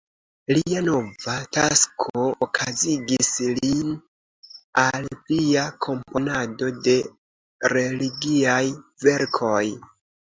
Lia nova tasko okazigis lin al plia komponado de religiaj verkoj.